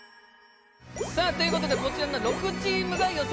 さあということでこちらの６チームが予選